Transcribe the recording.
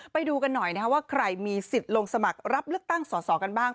ไปดูกันหน่อยว่าใครมีสิทธิ์ลงสมัครรับเลือกตั้งสอสอกันบ้าง